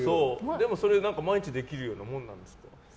でもそれは毎日できるようなものなんですか？